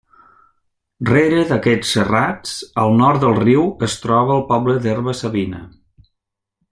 Rere d'aquests serrats, al nord del riu, es troba el poble d'Herba-savina.